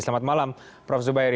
selamat malam prof zubairi